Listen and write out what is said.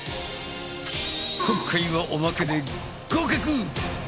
今回はおまけで合格！